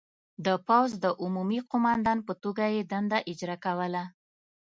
د پوځ د عمومي قوماندان په توګه یې دنده اجرا کوله.